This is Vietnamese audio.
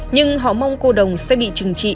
nhưng họ mong cô đồng sẽ bị trừng trị